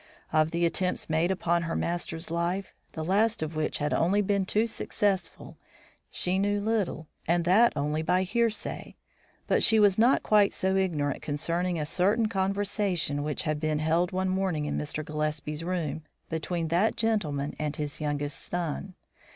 Of the attempts made upon her master's life, the last of which had been only too successful, she knew little and that only by hearsay, but she was not quite so ignorant concerning a certain conversation which had been held one morning in Mr. Gillespie's room between that gentleman and his youngest son.